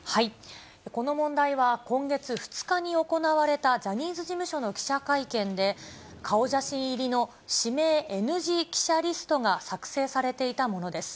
この問題は、今月２日に行われたジャニーズ事務所の記者会見で、顔写真入りの指名ＮＧ記者リストが作成されていたものです。